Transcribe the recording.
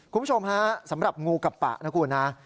คุณผู้ชมสำหรับงูกับปะนะครับคุณ